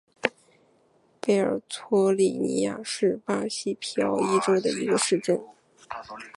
贝尔托利尼亚是巴西皮奥伊州的一个市镇。